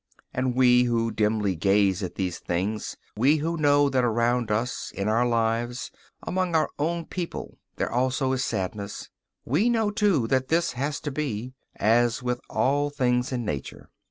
And we, who dimly gaze at these things, we who know that around us, in our own lives, among our own people, there also is sadness, we know too that this has to be, as with all things in nature.